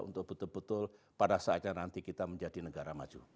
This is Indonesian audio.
untuk betul betul pada saatnya nanti kita menjadi negara maju